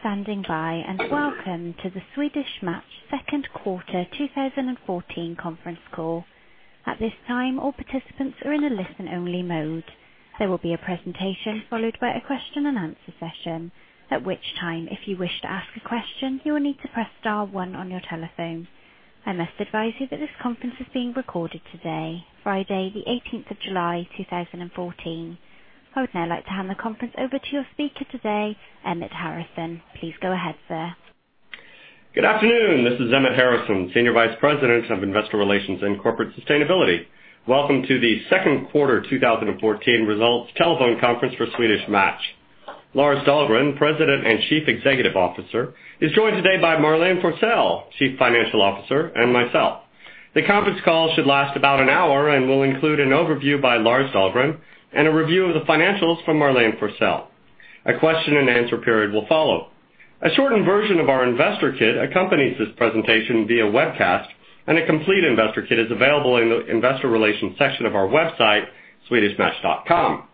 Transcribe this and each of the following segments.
Thank you for standing by, and welcome to the Swedish Match second quarter 2014 conference call. At this time, all participants are in a listen-only mode. There will be a presentation followed by a question and answer session. At which time, if you wish to ask a question, you will need to press star one on your telephone. I must advise you that this conference is being recorded today, Friday the 18th of July, 2014. I would now like to hand the conference over to your speaker today, Emmett Harrison. Please go ahead, sir. Good afternoon. This is Emmett Harrison, Senior Vice President of Investor Relations and Corporate Sustainability. Welcome to the second quarter 2014 results telephone conference for Swedish Match. Lars Dahlgren, President and Chief Executive Officer, is joined today by Marlene Forsell, Chief Financial Officer, and myself. The conference call should last about an hour and will include an overview by Lars Dahlgren and a review of the financials from Marlene Forsell. A question and answer period will follow. A shortened version of our investor kit accompanies this presentation via webcast, and a complete investor kit is available in the investor relations section of our website, swedishmatch.com.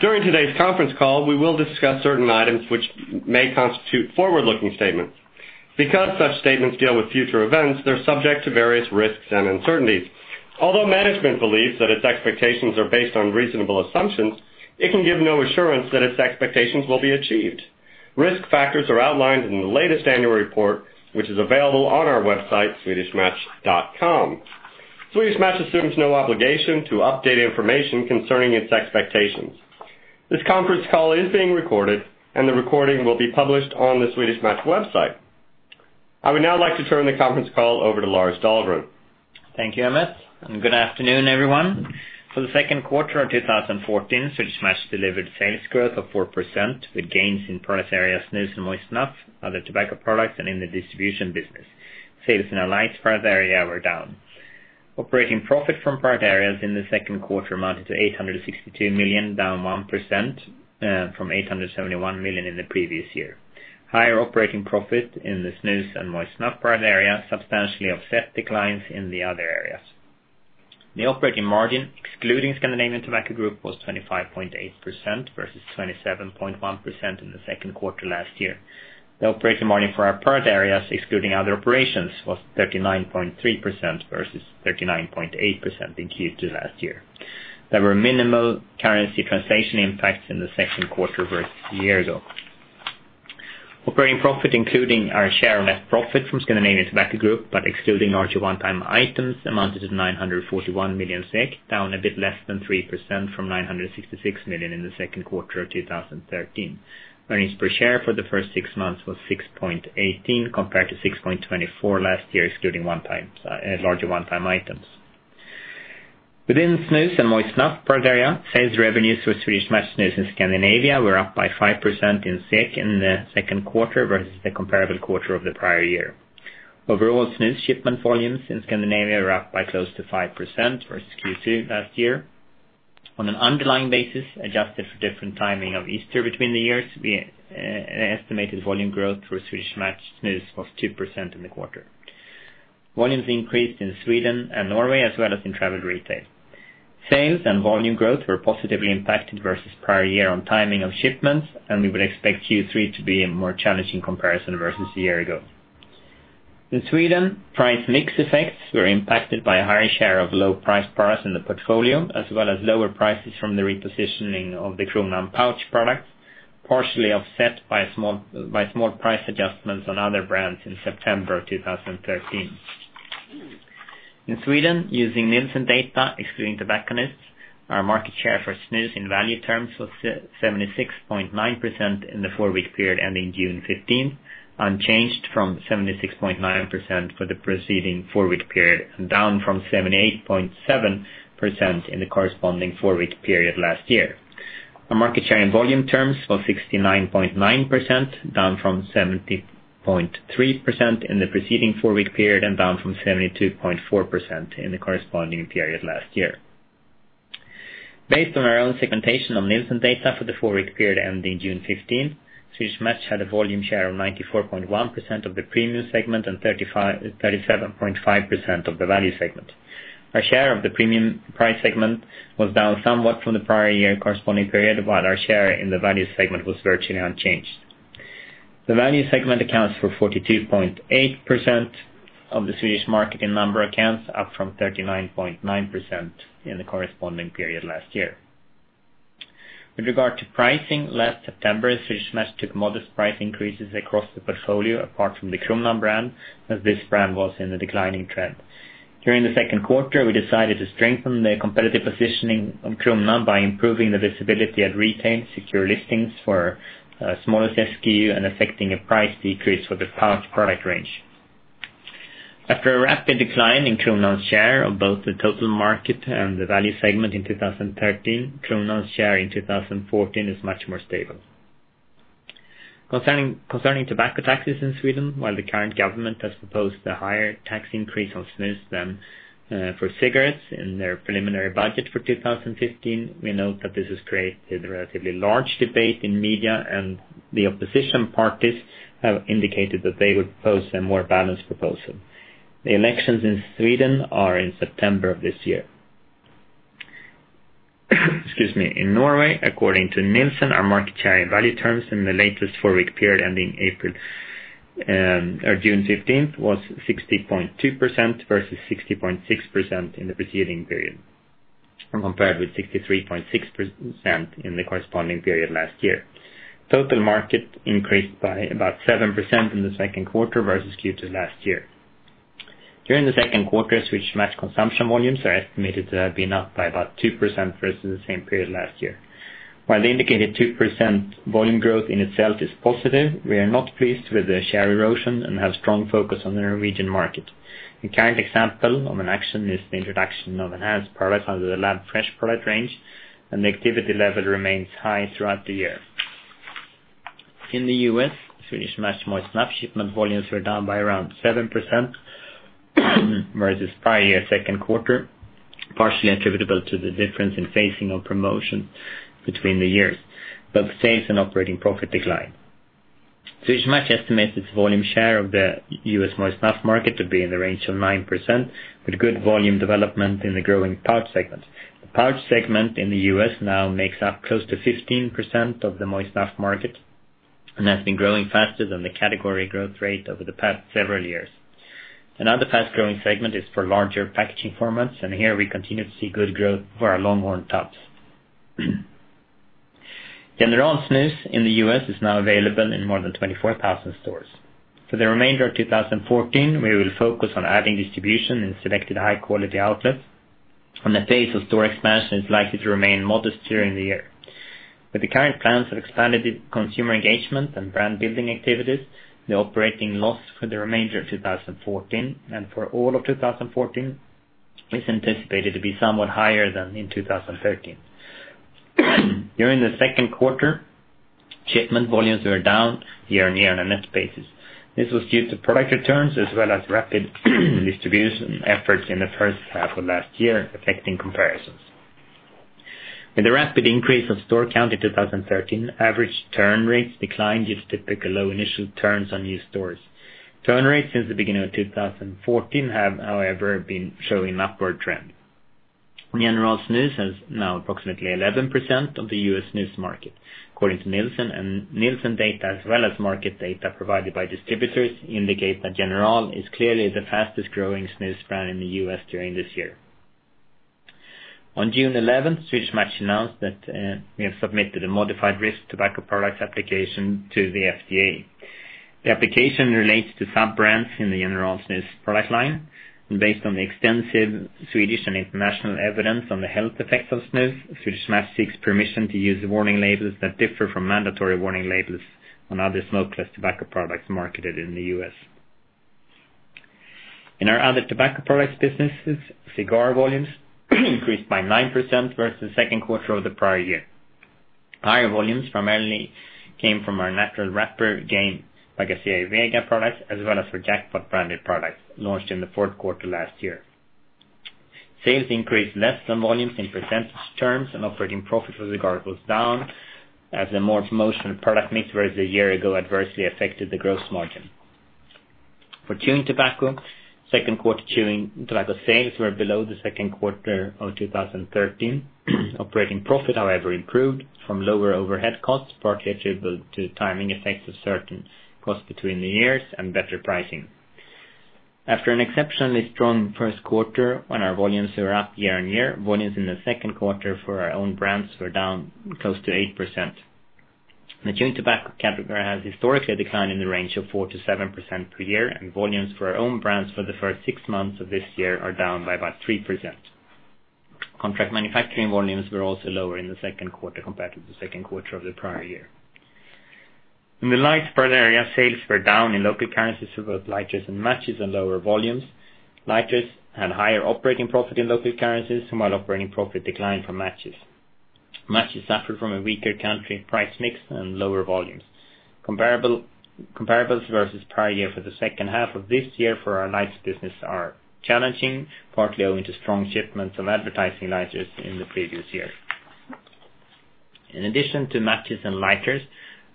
During today's conference call, we will discuss certain items which may constitute forward-looking statements. Such statements deal with future events, they're subject to various risks and uncertainties. Management believes that its expectations are based on reasonable assumptions, it can give no assurance that its expectations will be achieved. Risk factors are outlined in the latest annual report, which is available on our website, swedishmatch.com. Swedish Match assumes no obligation to update information concerning its expectations. This conference call is being recorded, and the recording will be published on the Swedish Match website. I would now like to turn the conference call over to Lars Dahlgren. Thank you, Emmett, and good afternoon everyone. For the second quarter of 2014, Swedish Match delivered sales growth of 4%, with gains in product area snus and moist snuff, other tobacco products, and in the distribution business. Sales in our Lights product area were down. Operating profit from product areas in the second quarter amounted to 862 million, down 1% from 871 million in the previous year. Higher operating profit in the snus and moist snuff product area substantially offset declines in the other areas. The operating margin, excluding Scandinavian Tobacco Group, was 25.8% versus 27.1% in the second quarter last year. The operating margin for our product areas, excluding other operations, was 39.3% versus 39.8% in Q2 last year. There were minimal currency translation impacts in the second quarter versus a year ago. Operating profit, including our share of net profit from Scandinavian Tobacco Group, but excluding larger one-time items, amounted to 941 million SEK, down a bit less than 3% from 966 million in the second quarter of 2013. Earnings per share for the first six months was 6.18, compared to 6.24 last year, excluding larger one-time items. Within snus and moist snuff product area, sales revenues for Swedish Match snus in Scandinavia were up by 5% in SEK in the second quarter versus the comparable quarter of the prior year. Overall snus shipment volumes in Scandinavia were up by close to 5% versus Q2 last year. On an underlying basis, adjusted for different timing of Easter between the years, we estimated volume growth for Swedish Match snus was 2% in the quarter. Volumes increased in Sweden and Norway, as well as in travel retail. Sales and volume growth were positively impacted versus prior year on timing of shipments, and we would expect Q3 to be a more challenging comparison versus a year ago. In Sweden, price mix effects were impacted by a higher share of low price products in the portfolio, as well as lower prices from the repositioning of the Kronan Pouch product, partially offset by small price adjustments on other brands in September of 2013. In Sweden, using Nielsen data, excluding tobacconists, our market share for snus in value terms was 76.9% in the four-week period ending June 15, unchanged from 76.9% for the preceding four-week period, and down from 78.7% in the corresponding four-week period last year. Our market share in volume terms was 69.9%, down from 70.3% in the preceding four-week period and down from 72.4% in the corresponding period last year. Based on our own segmentation on Nielsen data for the four-week period ending June 15, Swedish Match had a volume share of 94.1% of the premium segment and 37.5% of the value segment. Our share of the premium price segment was down somewhat from the prior year corresponding period, while our share in the value segment was virtually unchanged. The value segment accounts for 42.8% of the Swedish market in number accounts, up from 39.9% in the corresponding period last year. With regard to pricing, last September, Swedish Match took modest price increases across the portfolio apart from the Kronan brand, as this brand was in a declining trend. During the second quarter, we decided to strengthen the competitive positioning of Kronan by improving the visibility at retail, secure listings for a smaller SKU, and affecting a price decrease for the pouch product range. After a rapid decline in Kronan's share of both the total market and the value segment in 2013, Kronan's share in 2014 is much more stable. Concerning tobacco taxes in Sweden, while the current government has proposed a higher tax increase on snus than for cigarettes in their preliminary budget for 2015, we note that this has created a relatively large debate in media, and the opposition parties have indicated that they would propose a more balanced proposal. The elections in Sweden are in September of this year. Excuse me. In Norway, according to Nielsen, our market share in value terms in the latest four-week period ending June 15th was 60.2% versus 60.6% in the preceding period, compared with 63.6% in the corresponding period last year. Total market increased by about 7% in the second quarter versus Q2 last year. During the second quarter, Swedish Match consumption volumes are estimated to have been up by about 2% versus the same period last year. While the indicated 2% volume growth in itself is positive, we are not pleased with the share erosion and have strong focus on the Norwegian market. A current example of an action is the introduction of enhanced products under The Lab Fresh product range, and the activity level remains high throughout the year. In the U.S., Swedish Match moist snuff shipment volumes were down by around 7% versus prior year second quarter, partially attributable to the difference in phasing of promotion between the years, both sales and operating profit decline. Swedish Match estimates its volume share of the U.S. moist snuff market to be in the range of 9%, with good volume development in the growing pouch segment. The pouch segment in the U.S. now makes up close to 15% of the moist snuff market, and has been growing faster than the category growth rate over the past several years. Another fast-growing segment is for larger packaging formats, and here we continue to see good growth for our Longhorn Tubs. General Snus in the U.S. is now available in more than 24,000 stores. For the remainder of 2014, we will focus on adding distribution in selected high-quality outlets, and the pace of store expansion is likely to remain modest during the year. With the current plans for expanded consumer engagement and brand-building activities, the operating loss for the remainder of 2014 and for all of 2014 is anticipated to be somewhat higher than in 2013. During the second quarter, shipment volumes were down year-on-year on a net basis. This was due to product returns as well as rapid distribution efforts in the first half of last year, affecting comparisons. With the rapid increase of store count in 2013, average turn rates declined due to typical low initial turns on new stores. Turn rates since the beginning of 2014 have, however, been showing an upward trend. General Snus has now approximately 11% of the U.S. snus market, according to Nielsen. Nielsen data, as well as market data provided by distributors, indicate that General is clearly the fastest-growing snus brand in the U.S. during this year. On June 11th, Swedish Match announced that we have submitted a modified risk tobacco products application to the FDA. The application relates to sub-brands in the General Snus product line, and based on the extensive Swedish and international evidence on the health effects of snus, Swedish Match seeks permission to use warning labels that differ from mandatory warning labels on other smokeless tobacco products marketed in the U.S. In our other tobacco products businesses, cigar volumes increased by 9% versus the second quarter of the prior year. Higher volumes primarily came from our Natural Wrapper Garcia y Vega products, as well as our Jackpot-branded products launched in the fourth quarter last year. Sales increased less than volumes in percentage terms, and operating profit for cigar goes down, as a more promotional product mix versus a year ago adversely affected the gross margin. For chewing tobacco, second quarter chewing tobacco sales were below the second quarter of 2013. Operating profit, however, improved from lower overhead costs, partly attributable to timing effects of certain costs between the years and better pricing. After an exceptionally strong first quarter when our volumes were up year-on-year, volumes in the second quarter for our own brands were down close to 8%. The chewing tobacco category has historically declined in the range of 4%-7% per year, and volumes for our own brands for the first six months of this year are down by about 3%. Contract manufacturing volumes were also lower in the second quarter compared to the second quarter of the prior year. In the Lights product area, sales were down in local currencies for both lighters and matches on lower volumes. Lighters had higher operating profit in local currencies, while operating profit declined for matches. Matches suffered from a weaker country price mix and lower volumes. Comparables versus prior year for the second half of this year for our Lights business are challenging, partly owing to strong shipments of advertising lighters in the previous year. In addition to matches and lighters,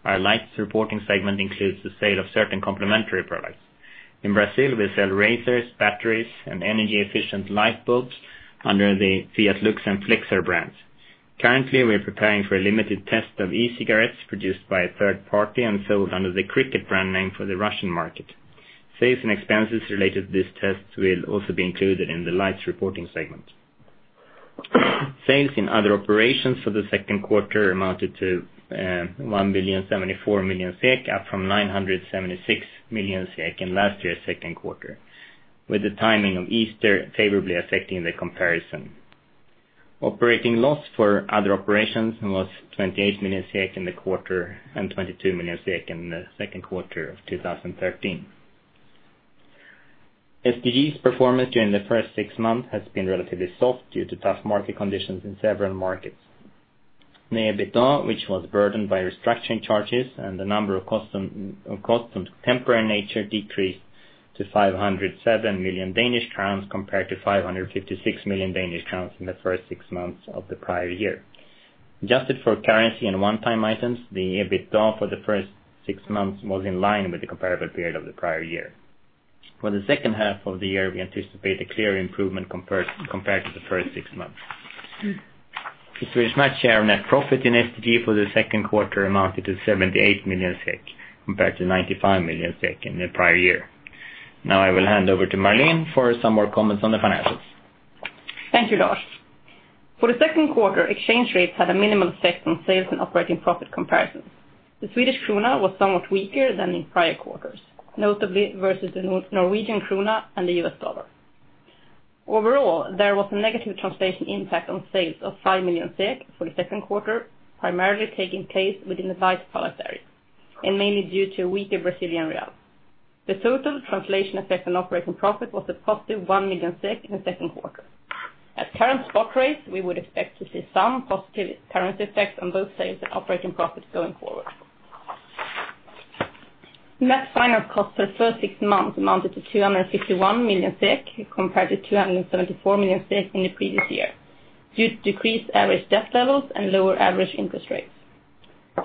our Lights reporting segment includes the sale of certain complementary products. In Brazil, we sell razors, batteries, and energy-efficient light bulbs under the Fiat Lux and Flixxer brands. Currently, we are preparing for a limited test of e-cigarettes produced by a third party and sold under the Cricket brand name for the Russian market. Sales and expenses related to this test will also be included in the Lights reporting segment. Sales in other operations for the second quarter amounted to 1,074,000,000 SEK, up from 976,000,000 SEK in last year's second quarter, with the timing of Easter favorably affecting the comparison. Operating loss for other operations was 28,000,000 SEK in the quarter and 22,000,000 SEK in the second quarter of 2013. STG's performance during the first six months has been relatively soft due to tough market conditions in several markets. The EBITDA, which was burdened by restructuring charges and the number of costs of temporary nature, decreased to 507 million Danish crowns compared to 556 million Danish crowns in the first six months of the prior year. Adjusted for currency and one-time items, the EBITDA for the first six months was in line with the comparable period of the prior year. For the second half of the year, we anticipate a clear improvement compared to the first six months. Swedish Match share net profit in STG for the second quarter amounted to 78 million SEK, compared to 95 million SEK in the prior year. I will hand over to Marlene for some more comments on the financials. Thank you, Lars. For the second quarter, exchange rates had a minimal effect on sales and operating profit comparisons. The Swedish krona was somewhat weaker than in prior quarters, notably versus the Norwegian krona and the US dollar. Overall, there was a negative translation impact on sales of 5 million SEK for the second quarter, primarily taking place within the Lights product area, mainly due to weaker BRL. The total translation effect on operating profit was a positive 1 million SEK in the second quarter. At current spot rates, we would expect to see some positive currency effects on both sales and operating profits going forward. Net finance costs for the first six months amounted to 261 million SEK compared to 274 million SEK in the previous year, due to decreased average debt levels and lower average interest rates.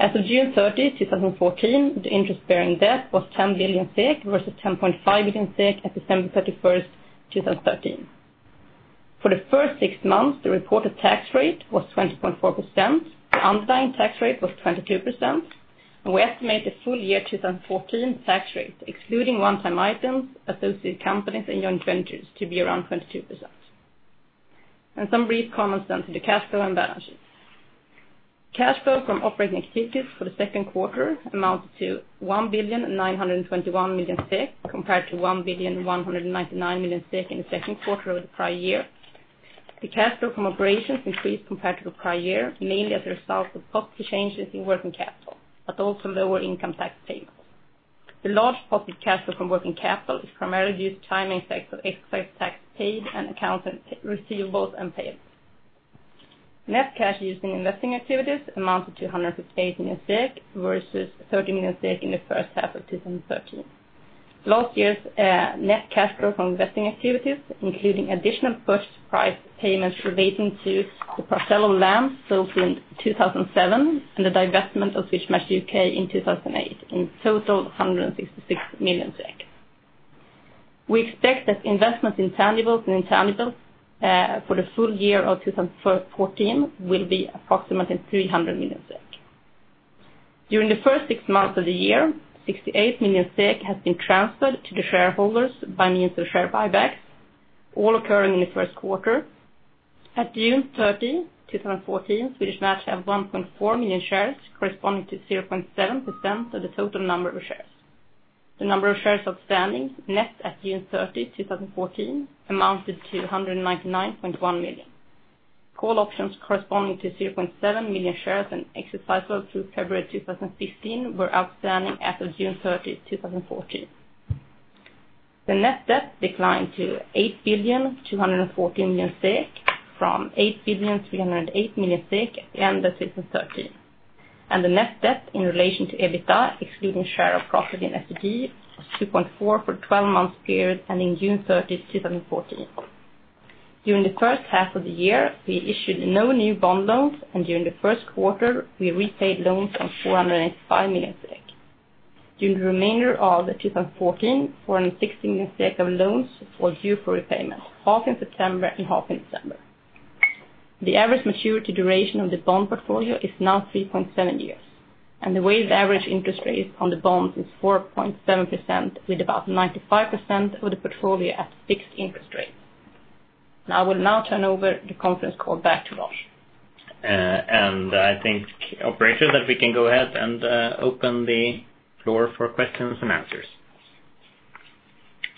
As of June 30, 2014, the interest-bearing debt was 10 billion SEK versus 10.5 billion SEK at December 31st, 2013. For the first six months, the reported tax rate was 20.4%, the underlying tax rate was 22%, and we estimate the full year 2014 tax rate, excluding one-time items, associated companies and joint ventures, to be around 22%. Some brief comments to the cash flow and balances. Cash flow from operating activities for the second quarter amounted to 1,921,000,000 compared to 1,199,000,000 in the second quarter of the prior year. The cash flow from operations increased compared to the prior year, mainly as a result of positive changes in working capital, also lower income tax payable. The large positive cash flow from working capital is primarily due to timing effects of excise tax paid and account receivables and payables. Net cash used in investing activities amounted to 158 million SEK versus 30 million SEK in the first half of 2013. Last year's net cash flow from investing activities, including additional post-price payments relating to the parcel of land sold in 2007 and the divestment of Swedish Match UK in 2008. In total, 166 million SEK. We expect that investments in tangibles and intangibles for the full year of 2014 will be approximately 300 million SEK. During the first six months of the year, 68 million SEK has been transferred to the shareholders by means of share buybacks, all occurring in the first quarter. At June 30, 2014, Swedish Match had 1.4 million shares corresponding to 0.7% of the total number of shares. The number of shares outstanding net at June 30, 2014, amounted to 199.1 million. Call options corresponding to 0.7 million shares and exercisable through February 2015 were outstanding as of June 30, 2014. The net debt declined to 8,214,000,000 from 8,308,000,000 at the end of 2013. The net debt in relation to EBITDA, excluding share of profit in STG, was 2.4 for the 12-month period and in June 30, 2014. During the first half of the year, we issued no new bond loans, during the first quarter, we repaid loans of 485 million SEK. During the remainder of 2014, 416 million SEK of loans were due for repayment, half in September and half in December. The average maturity duration of the bond portfolio is now 3.7 years, and the weighted average interest rate on the bonds is 4.7%, with about 95% of the portfolio at fixed interest rates. I will now turn over the conference call back to Lars. I think, operator, that we can go ahead and open the floor for questions and answers.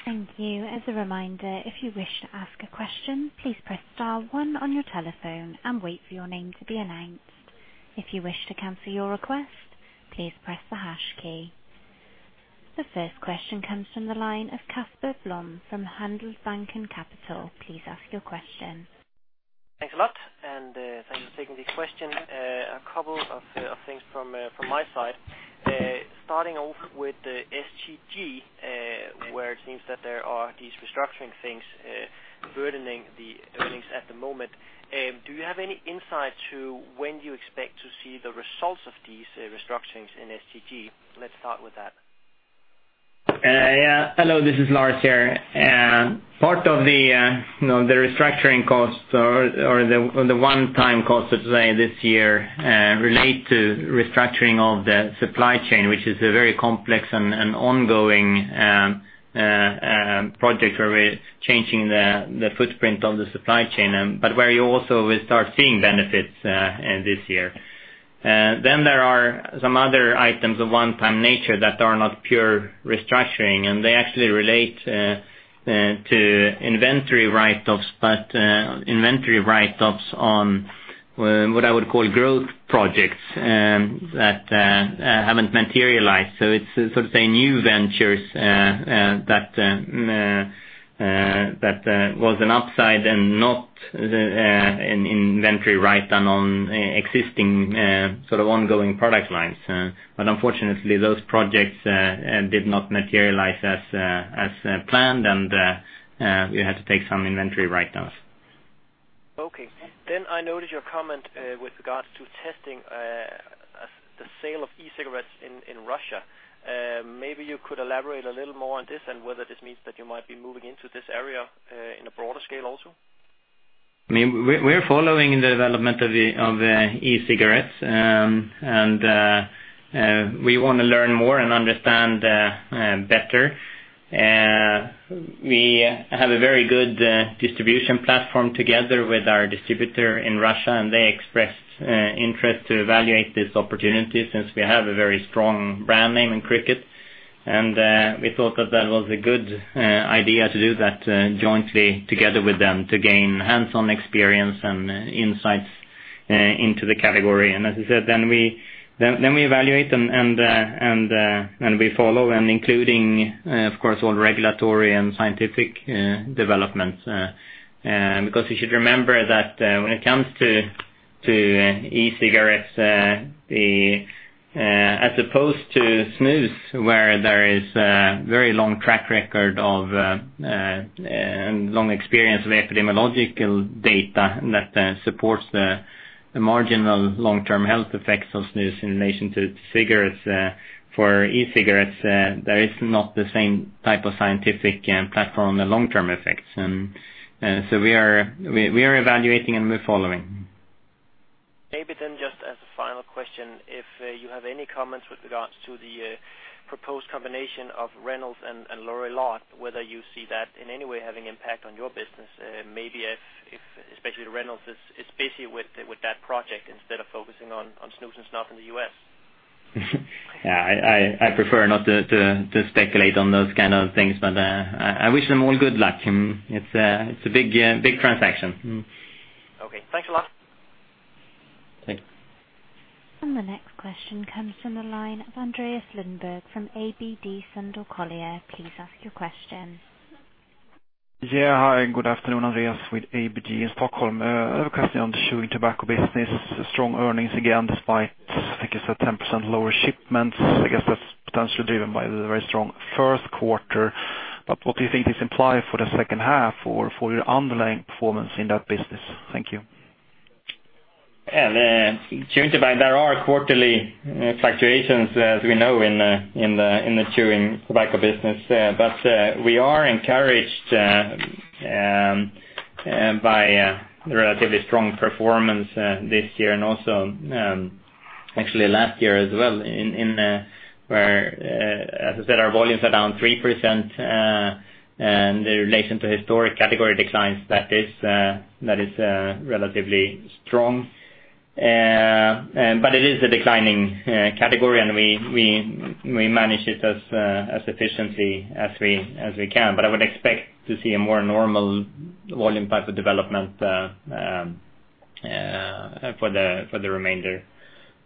Thank you. As a reminder, if you wish to ask a question, please press star one on your telephone and wait for your name to be announced. If you wish to cancel your request, please press the hash key. The first question comes from the line of Casper Blom from Handelsbanken Capital. Please ask your question. Thanks a lot. Thanks for taking the question. A couple of things from my side. Starting off with the STG, where it seems that there are these restructuring things burdening the earnings at the moment. Do you have any insight to when you expect to see the results of these restructurings in STG? Let's start with that. Hello, this is Lars here. Part of the restructuring costs or the one-time costs, let's say this year, relate to restructuring of the supply chain, which is a very complex and ongoing project. We're changing the footprint of the supply chain, where you also will start seeing benefits this year. There are some other items of one-time nature that are not pure restructuring, and they actually relate to inventory write-offs, but inventory write-offs on what I would call growth projects that haven't materialized. It's sort of the new ventures that was an upside and not an inventory write-down on existing ongoing product lines. Unfortunately, those projects did not materialize as planned, and we had to take some inventory write-downs. Okay. I noticed your comment with regards to testing the sale of e-cigarettes in Russia. Maybe you could elaborate a little more on this and whether this means that you might be moving into this area in a broader scale also. We're following the development of e-cigarettes. We want to learn more and understand better. We have a very good distribution platform together with our distributor in Russia, and they expressed interest to evaluate this opportunity, since we have a very strong brand name in Cricket. We thought that that was a good idea to do that jointly together with them to gain hands-on experience and insights into the category. As I said, we evaluate and we follow and including, of course, all regulatory and scientific developments. Because you should remember that when it comes to e-cigarettes, as opposed to snus, where there is a very long track record of and long experience of epidemiological data that supports the marginal long-term health effects of snus in relation to cigarettes. For e-cigarettes, there is not the same type of scientific platform on the long-term effects. We are evaluating and we're following. Maybe just as a final question, if you have any comments with regards to the proposed combination of Reynolds and Lorillard, whether you see that in any way having impact on your business? Maybe if especially Reynolds is busy with that project instead of focusing on snus and stuff in the U.S. I prefer not to speculate on those kind of things, I wish them all good luck. It's a big transaction. Thanks a lot. Thanks. The next question comes from the line of Andreas Lundberg from ABG Sundal Collier. Please ask your question. Hi. Good afternoon. Andreas with ABG in Stockholm. I have a question on the chewing tobacco business. Strong earnings, again, despite, I think you said 10% lower shipments. I guess that's potentially driven by the very strong first quarter. What do you think this imply for the second half or for your underlying performance in that business? Thank you. Yeah. Chewing tobacco, there are quarterly fluctuations, as we know, in the chewing tobacco business. We are encouraged by the relatively strong performance this year and also actually last year as well, where, as I said, our volumes are down 3% in relation to historic category declines. That is relatively strong. It is a declining category, and we manage it as efficiently as we can. I would expect to see a more normal volume type of development for the remainder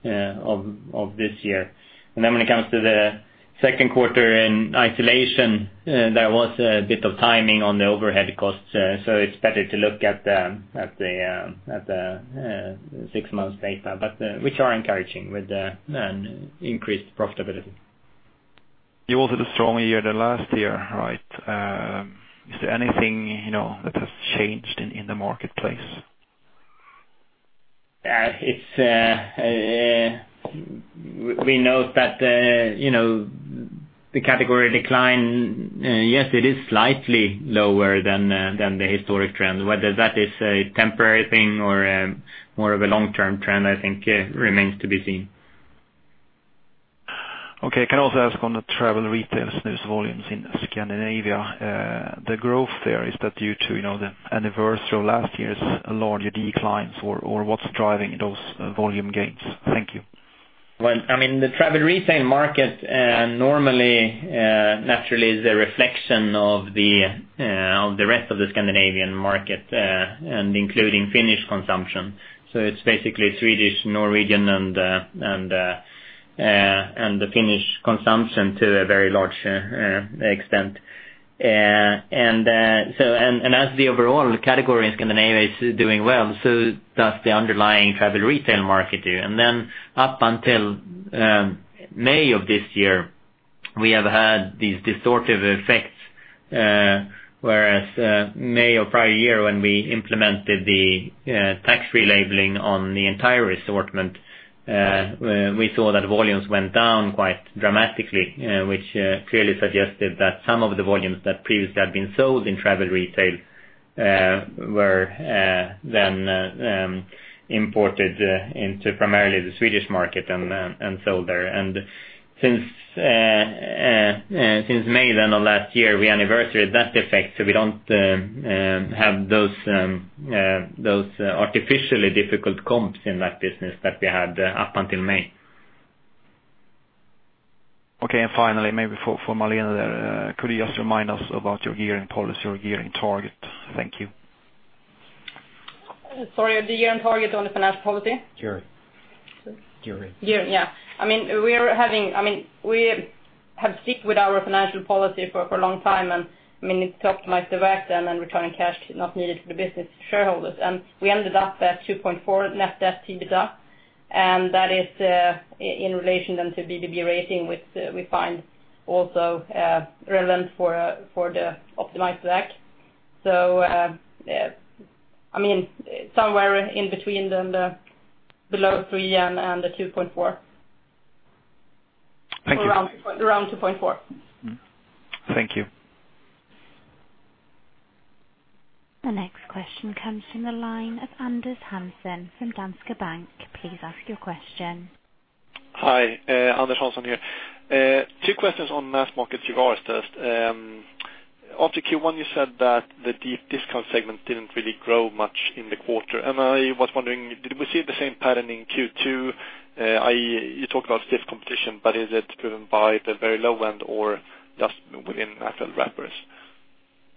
of this year. When it comes to the second quarter in isolation, there was a bit of timing on the overhead costs. It's better to look at the six months data, but which are encouraging with an increased profitability. You also had a stronger year than last year, right? Is there anything that has changed in the marketplace? We note that the category decline, yes, it is slightly lower than the historic trend. Whether that is a temporary thing or more of a long-term trend, I think remains to be seen. Okay. Can I also ask on the travel retail snus volumes in Scandinavia? The growth there, is that due to the anniversary of last year's larger declines or what's driving those volume gains? Thank you. Well, the travel retail market normally, naturally, is a reflection of the rest of the Scandinavian market, including Finnish consumption. It's basically Swedish, Norwegian, and the Finnish consumption to a very large extent. As the overall category in Scandinavia is doing well, so does the underlying travel retail market do. Up until May of this year, we have had these distortive effects, whereas May of prior year when we implemented the tax relabeling on the entire assortment, we saw that volumes went down quite dramatically, which clearly suggested that some of the volumes that previously had been sold in travel retail were then imported into primarily the Swedish market and sold there. Since May then of last year, we anniversaried that effect, so we don't have those artificially difficult comps in that business that we had up until May. Okay, finally, maybe for Marlene there, could you just remind us about your gearing policy or gearing target? Thank you. Sorry, the year-end target on the financial policy? Gearing. Sorry? Gearing. Gearing, yeah. We have sticked with our financial policy for a long time, it's to optimize and then returning cash not needed for the business to shareholders. We ended up at 2.4 net debt to EBITDA. That is in relation then to BBB rating, which we find also relevant for the optimized rack. Somewhere in between then the below three and the 2.4. Thank you. Around 2.4. Thank you. The next question comes from the line of Anders Hansson, from Danske Bank. Please ask your question. Hi, Anders Hansson, here. Two questions on mass market cigars first. After Q1, you said that the deep discount segment didn't really grow much in the quarter. I was wondering, did we see the same pattern in Q2? You talk about stiff competition, is it driven by the very low end or just within natural wrappers?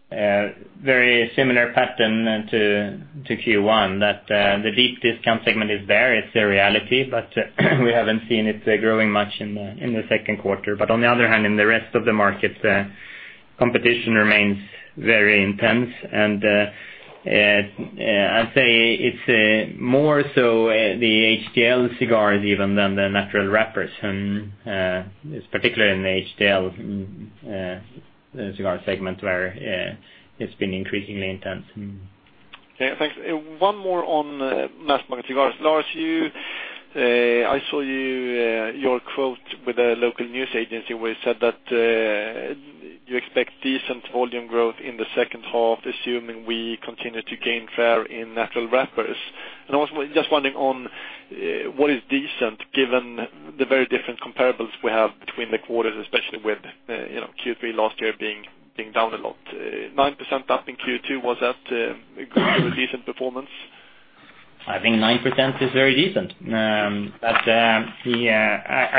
Very similar pattern to Q1, that the deep discount segment is there, it's a reality, we haven't seen it growing much in the second quarter. On the other hand, in the rest of the markets, competition remains very intense. I'd say it's more so the HTL cigars even than the natural wrappers. It's particularly in the HTL cigar segment where it's been increasingly intense. Yeah, thanks. One more on mass market cigars. Lars, I saw your quote with a local news agency where you said that you expect decent volume growth in the second half, assuming we continue to gain share in natural wrappers. I was just wondering on what is decent, given the very different comparables we have between the quarters, especially with Q3 last year being down a lot. 9% up in Q2, was that a decent performance? I think 9% is very decent. I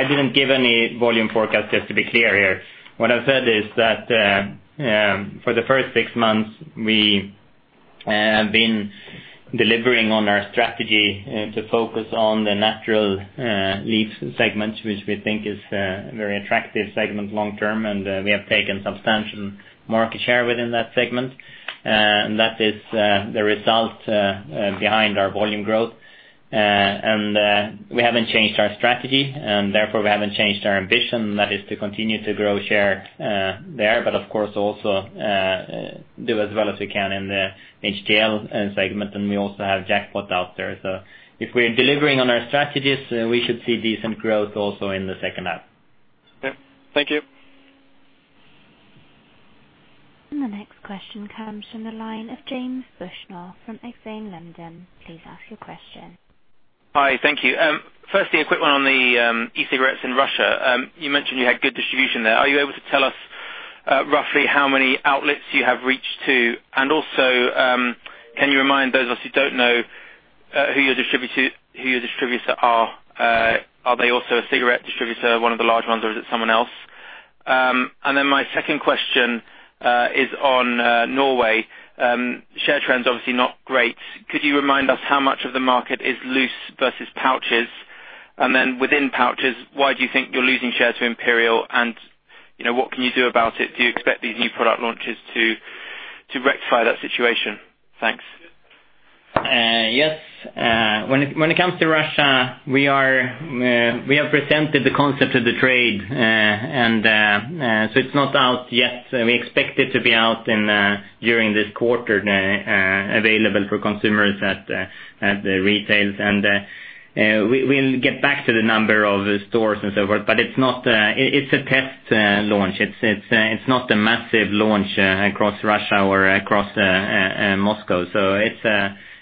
didn't give any volume forecast, just to be clear here. What I said is that, for the first six months, we have been delivering on our strategy to focus on the natural leaf segments, which we think is a very attractive segment long term. We have taken substantial market share within that segment. That is the result behind our volume growth. We haven't changed our strategy, and therefore we haven't changed our ambition. That is to continue to grow share there. Of course, also do as well as we can in the HTL segment. We also have Jackpot out there. If we're delivering on our strategies, we should see decent growth also in the second half. Okay. Thank you. The next question comes from the line of James Bushnell from Exane London. Please ask your question. Hi. Thank you. Firstly, a quick one on the e-cigarettes in Russia. You mentioned you had good distribution there. Are you able to tell us roughly how many outlets you have reached to? Also, can you remind those of us who don't know who your distributor are? Are they also a cigarette distributor, one of the large ones, or is it someone else? My second question is on Norway. Share trend's obviously not great. Could you remind us how much of the market is loose versus pouches? Then within pouches, why do you think you're losing share to Imperial and what can you do about it? Do you expect these new product launches to rectify that situation? Thanks. Yes. When it comes to Russia, we have presented the concept of the trade. It's not out yet. We expect it to be out during this quarter, available for consumers at the retails. We'll get back to the number of stores and so forth. It's a test launch. It's not a massive launch across Russia or across Moscow.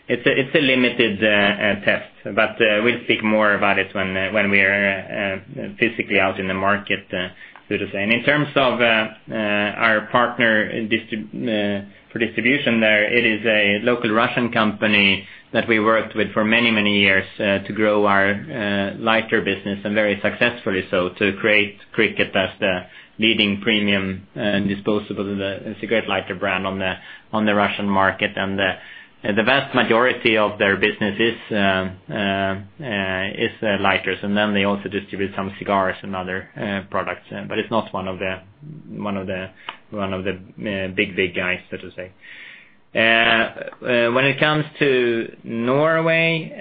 It's a limited test, but we'll speak more about it when we are physically out in the market, so to say. In terms of our partner for distribution there, it is a local Russian company that we worked with for many, many years to grow our lighter business and very successfully so to create Cricket as the leading premium disposable cigarette lighter brand on the Russian market. The vast majority of their business is lighters. They also distribute some cigars and other products. It's not one of the big guys, so to say. When it comes to Norway,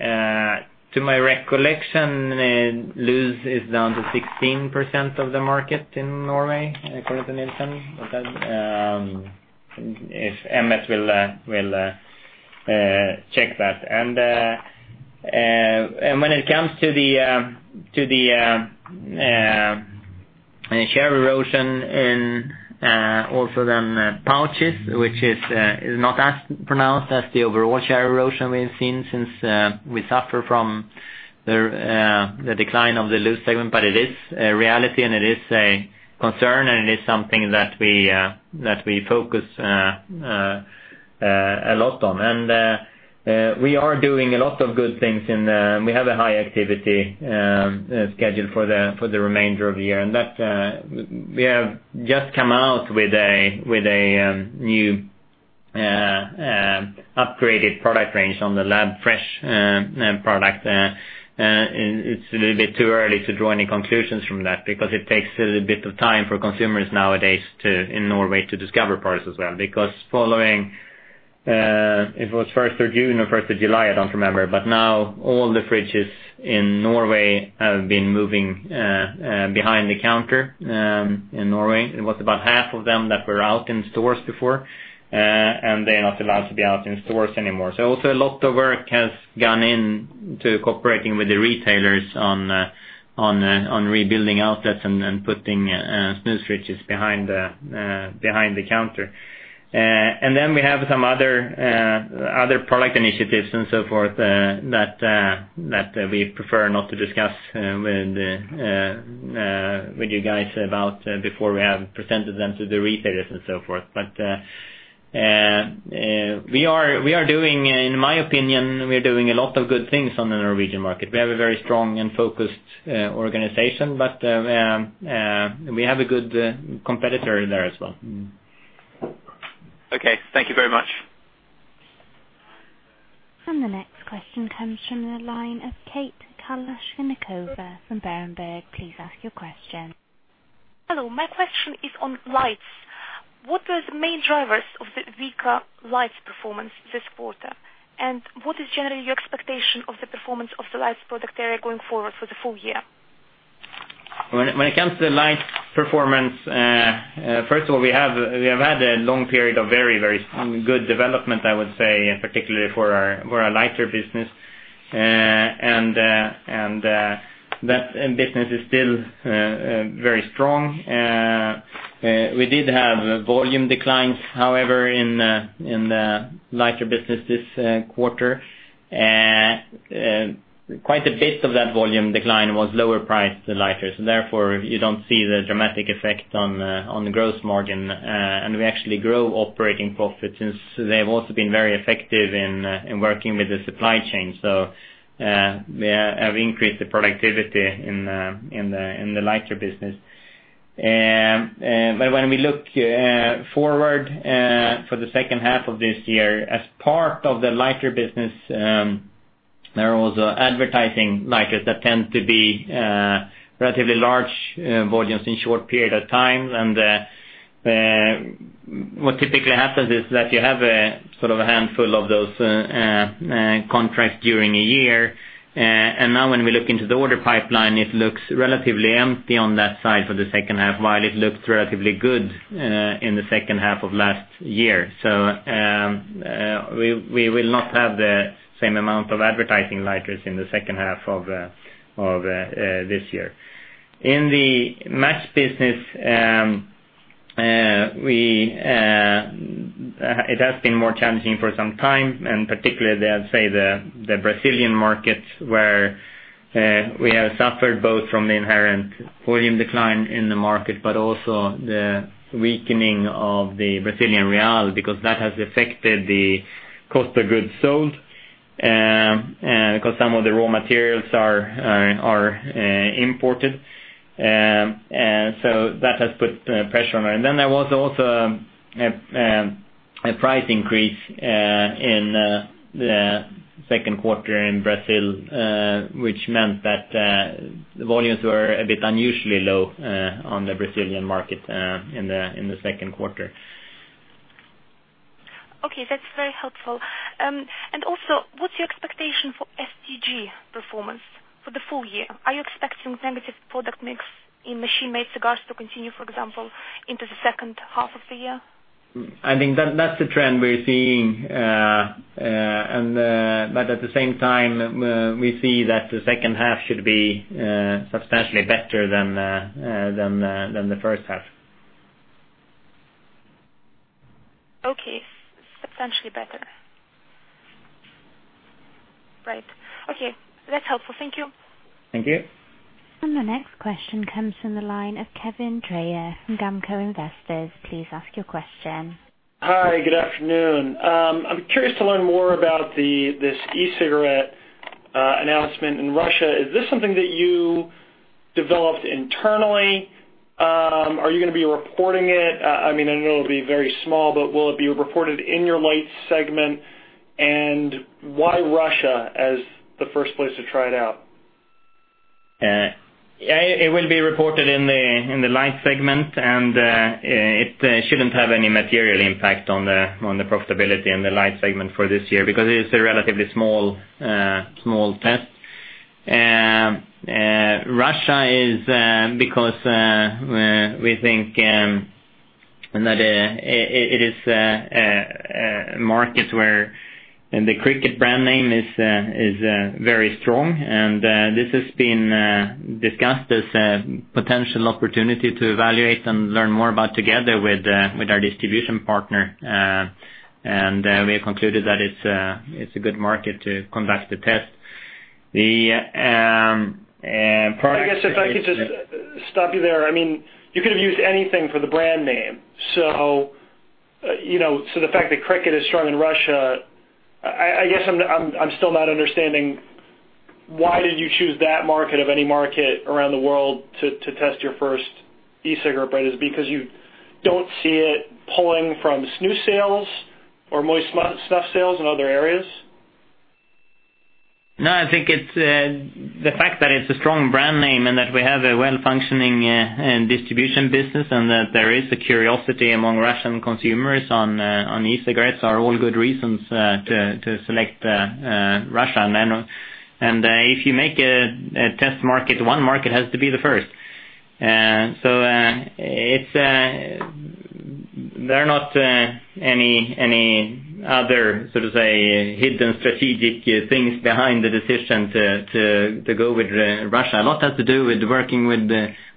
to my recollection, loose is down to 16% of the market in Norway, according to Nielsen. If MS will check that. When it comes to the share erosion in also then pouches, which is not as pronounced as the overall share erosion we've seen since we suffer from the decline of the loose segment. It is a reality, and it is a concern, and it is something that we focus a lot on. We are doing a lot of good things and we have a high activity schedule for the remainder of the year. We have just come out with a new upgraded product range on The Lab Fresh product. It's a little bit too early to draw any conclusions from that because it takes a little bit of time for consumers nowadays in Norway to discover products as well. It was 1st of June or 1st of July, I don't remember. Now all the fridges in Norway have been moving behind the counter. In Norway, it was about half of them that were out in stores before, and they're not allowed to be out in stores anymore. Also a lot of work has gone in to cooperating with the retailers on rebuilding outlets and putting snus fridges behind the counter. We have some other product initiatives and so forth that we prefer not to discuss with you guys about before we have presented them to the retailers and so forth. We are doing, in my opinion, we are doing a lot of good things on the Norwegian market. We have a very strong and focused organization, we have a good competitor there as well. Okay. Thank you very much. The next question comes from the line of Kate Kalashnikova from Berenberg Bank. Please ask your question. Hello. My question is on Lights. What were the main drivers of the weaker Lights performance this quarter? What is generally your expectation of the performance of the Lights product area going forward for the full year? When it comes to the Lights performance, first of all, we have had a long period of very strong, good development, I would say, particularly for our lighter business. That business is still very strong. We did have volume declines, however, in the lighter business this quarter. Quite a bit of that volume decline was lower priced lighters. Therefore, you don't see the dramatic effect on the gross margin. We actually grow operating profits since they have also been very effective in working with the supply chain. We have increased the productivity in the lighter business. When we look forward for the second half of this year, as part of the lighter business, there was advertising lighters that tend to be relatively large volumes in short period of time. What typically happens is that you have a sort of a handful of those contracts during a year. Now when we look into the order pipeline, it looks relatively empty on that side for the second half, while it looked relatively good in the second half of last year. We will not have the same amount of advertising lighters in the second half of this year. In the match business, it has been more challenging for some time, and particularly, I'd say the Brazilian markets, where we have suffered both from the inherent volume decline in the market, but also the weakening of the Brazilian real, because that has affected the cost of goods sold, because some of the raw materials are imported. That has put pressure on it. There was also a price increase in the second quarter in Brazil, which meant that the volumes were a bit unusually low on the Brazilian market in the second quarter. Okay, that's very helpful. Also, what's your expectation for STG performance for the full year? Are you expecting negative product mix in machine-made cigars to continue, for example, into the second half of the year? I think that's the trend we're seeing. At the same time, we see that the second half should be substantially better than the first half. Okay. Substantially better. Right. Okay. That's helpful. Thank you. Thank you. The next question comes from the line of Kevin Dreyer from GAMCO Investors. Please ask your question. Hi. Good afternoon. I'm curious to learn more about this e-cigarette announcement in Russia. Is this something that you developed internally? Are you going to be reporting it? I know it'll be very small, but will it be reported in your Lights segment? Why Russia as the first place to try it out? It will be reported in the Lights segment. It shouldn't have any material impact on the profitability in the Lights segment for this year, because it is a relatively small test. Russia is because we think that it is a market where the Cricket brand name is very strong, and this has been discussed as a potential opportunity to evaluate and learn more about together with our distribution partner. We have concluded that it's a good market to conduct the test. I guess if I could just stop you there. You could have used anything for the brand name. The fact that Cricket is strong in Russia, I guess I'm still not understanding why did you choose that market of any market around the world to test your first e-cigarette brand? Is it because you don't see it pulling from snus sales or moist snuff sales in other areas? No, I think the fact that it's a strong brand name and that we have a well-functioning distribution business, and that there is a curiosity among Russian consumers on e-cigarettes are all good reasons to select Russia. If you make a test market, one market has to be the first. There are not any other, so to say, hidden strategic things behind the decision to go with Russia. A lot has to do with working with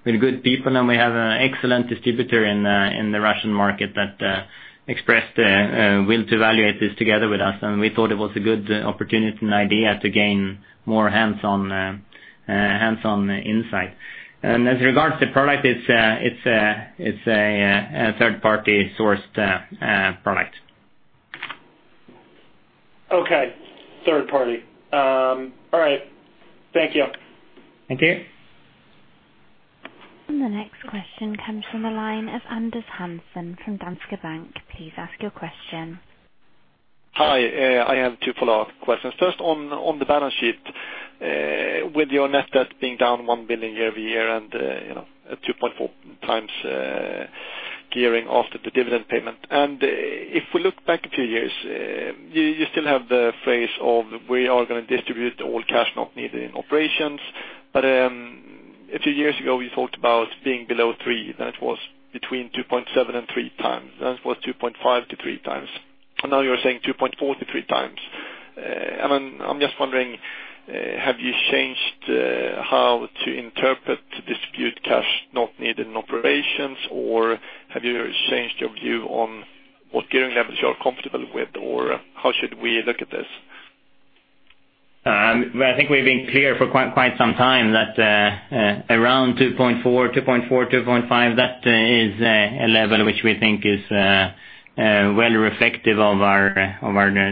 good people, and we have an excellent distributor in the Russian market that expressed a will to evaluate this together with us, and we thought it was a good opportunity and idea to gain more hands-on insight. As regards to product, it's a third-party sourced product. Okay. Third party. All right. Thank you. Thank you. The next question comes from the line of Anders Hansen from Danske Bank. Please ask your question. Hi. I have two follow-up questions. First, on the balance sheet, with your net debt being down 1 billion SEK year-over-year and 2.4x gearing after the dividend payment. If we look back a few years, you still have the phase of we are going to distribute all cash not needed in operations. A few years ago, we talked about being below 3x. Then it was between 2.7x and 3x. Then it was 2.5x-3x. Now you're saying 2.4x-3x. I'm just wondering, have you changed how to interpret to distribute cash not needed in operations, or have you changed your view on what gearing levels you're comfortable with, or how should we look at this? I think we've been clear for quite some time that around 2.4, 2.5, that is a level which we think is well reflective of our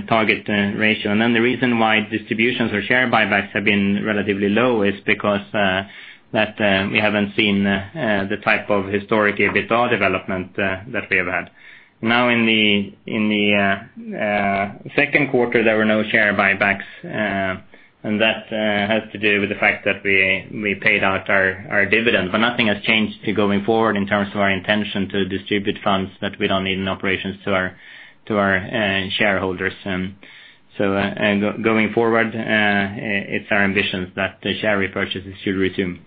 target ratio. The reason why distributions or share buybacks have been relatively low is because we haven't seen the type of historic EBITDA development that we have had. In the second quarter, there were no share buybacks, and that has to do with the fact that we paid out our dividend. Nothing has changed going forward in terms of our intention to distribute funds that we don't need in operations to our shareholders. Going forward, it's our ambition that the share repurchases should resume.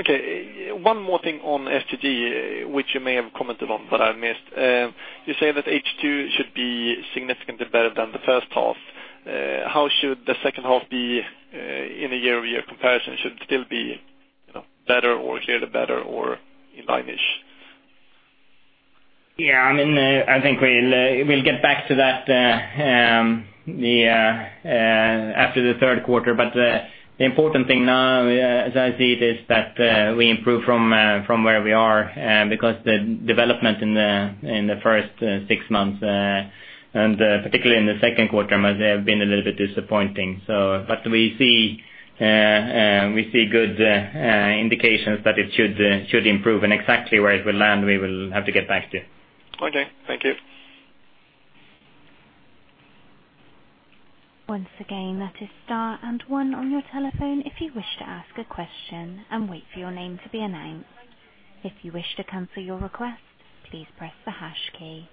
Okay. One more thing on STG, which you may have commented on, but I missed. You say that H2 should be significantly better than the first half. How should the second half be in a year-over-year comparison? Should it still be better or clearly better or in line-ish? Yeah. I think we will get back to that after the third quarter. The important thing now, as I see it, is that we improve from where we are because the development in the first six months, and particularly in the second quarter, must have been a little bit disappointing. We see good indications that it should improve. Exactly where it will land, we will have to get back to you. Okay. Thank you. Once again, that is star and one on your telephone if you wish to ask a question and wait for your name to be announced. If you wish to cancel your request, please press the hash key.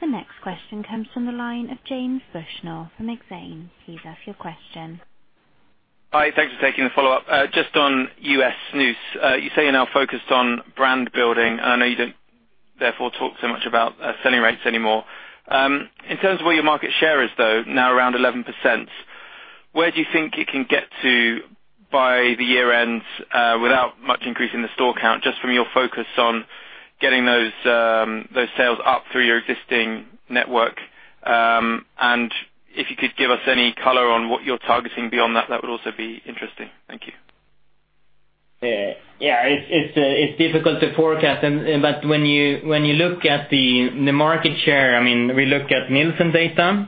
The next question comes from the line of James Bushnell from Exane. Please ask your question. Hi. Thanks for taking the follow-up. Just on US snus. You say you're now focused on brand building. I know you don't talk so much about selling rates anymore. In terms of where your market share is, though, now around 11%, where do you think it can get to by the year end without much increase in the store count, just from your focus on getting those sales up through your existing network? If you could give us any color on what you're targeting beyond that would also be interesting. Thank you. Yeah. It's difficult to forecast. When you look at the market share, we look at Nielsen data,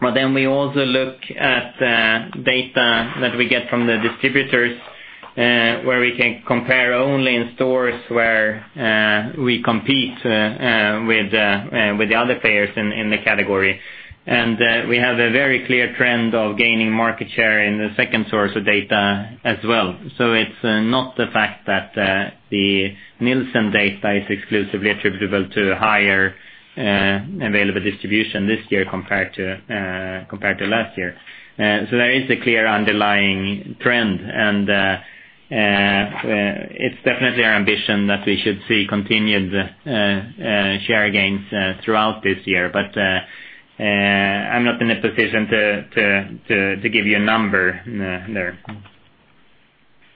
we also look at data that we get from the distributors, where we can compare only in stores where we compete with the other players in the category. We have a very clear trend of gaining market share in the second source of data as well. It's not the fact that the Nielsen data is exclusively attributable to higher available distribution this year compared to last year. There is a clear underlying trend, it's definitely our ambition that we should see continued share gains throughout this year. I'm not in a position to give you a number there.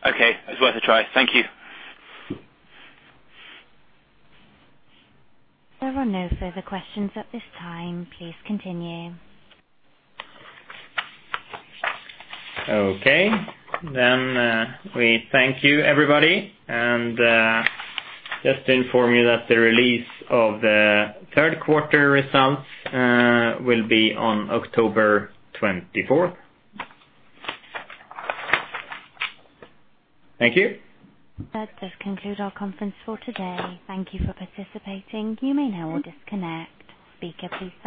Okay. It was worth a try. Thank you. There are no further questions at this time. Please continue. Okay. We thank you, everybody, and just to inform you that the release of the third quarter results will be on October 24th. Thank you. That does conclude our conference for today. Thank you for participating. You may now disconnect. Speaker, please stand by.